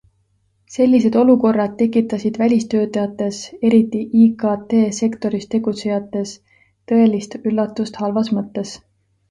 Sellised olukorrad tekitasid välistöötajates, eriti IKT sektoris tegutsejates, tõelist üllatust halvas mõttes.